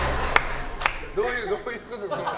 どういうこと？